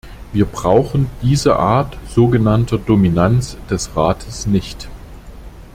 Wir brauchen diese Art so genannter "Dominanz" des Rates nicht.